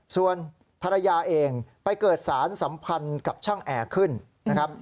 ส่วนภรรยาเองไปเกิดสารสัมพันธ์กับช่างแอร์ขึ้นนะครับ